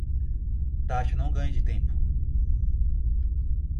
Taxa não ganha de tempo